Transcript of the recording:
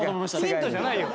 ヒントじゃないよ。